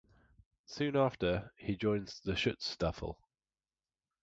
Soon after, he joins the Schutzstaffel.